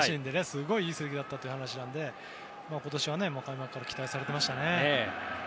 すごいいい成績だったという話なので今年は開幕から期待されていましたね。